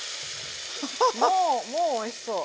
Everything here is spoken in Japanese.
もうおいしそう！